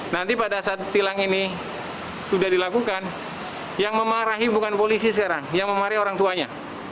nanti pada saat tilang ini sudah dilakukan yang memarahi bukan polisi sekarang yang memarahi orang tuanya